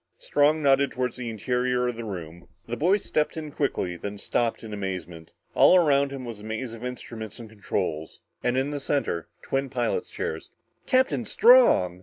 Strong nodded toward the interior of the room. The boy stepped in quickly, then stopped in amazement. All around him was a maze of instruments and controls. And in the center, twin pilot's chairs. "Captain Strong!"